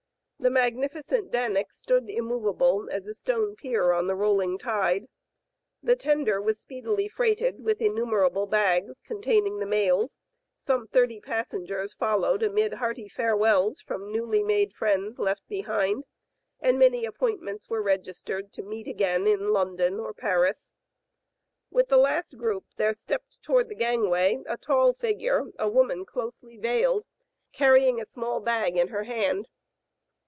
The magnificent Dank stood immovable as a stone pier on the rolling tide. The tender was speedily freighted with innumerable bags containing the mails, some thirty passengers followed amid hearty farewells from newly made friends left behind, and many appointments were registered to meet again in London or Paris. With the last group there stepped toward the gangway a tall figure, a woman closely veiled, carrying a small bag in her hand.